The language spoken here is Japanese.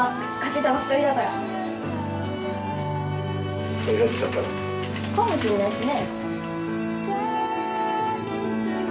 かもしれないですね。